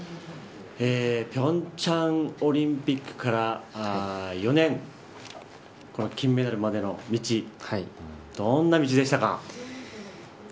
平昌オリンピックから４年、この金メダルまでの道どんな道でしたか。